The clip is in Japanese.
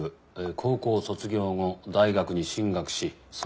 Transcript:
高校卒業後大学に進学しその後。